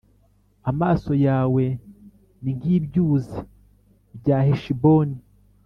Amaso yawe ni nk’ibyuzi bya Heshiboni,